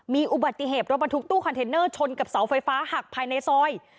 มีอุบัติเหตุรถบรรทุกตู้คอนเทนเนอร์ชนกับเสาไฟฟ้าหักภายในซอย